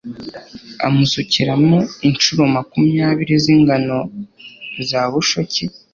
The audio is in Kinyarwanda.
amusukiramo incuro makumyabiri z'ingano za bushoki